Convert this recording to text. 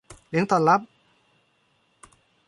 เลี้ยงต้อนรับ